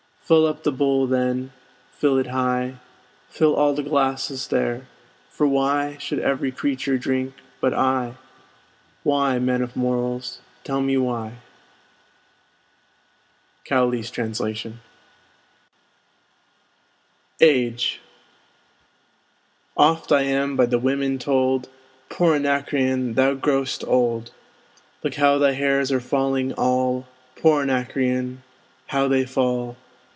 Fill up the bowl then, fill it high, Fill all the glasses there; for why Should every creature drink but I? Why, man of morals, tell me why? Cowley's Translation. AGE Oft am I by the women told, Poor Anacreon, thou grow'st old! Look how thy hairs are falling all; Poor Anacreon, how they fall!